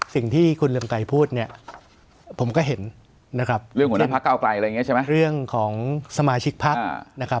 สิ่งที่คุณเรหล์มไกพูดเนี่ยผมก็เห็นนะครับสมายชิกพัก